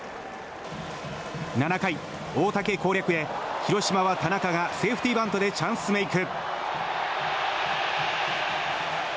７回、大竹攻略へ広島は田中がセーフティーバントでチャンスメイク。